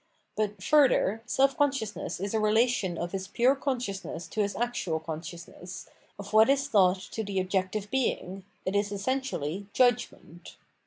But further, self consciousness is a relation of his pure consciousness to his actual consciousness, of what is thought to the objective being; it is essentially Judgment.